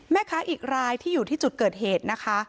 แม่ค้าอีกรายที่อยู่ที่จุดเกิดเหตุนะคะ